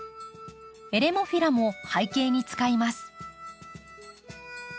エレモフィラも背景に使います。